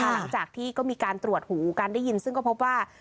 หลังจากที่ก็มีการตรวจหูการได้ยินซึ่งก็พบว่า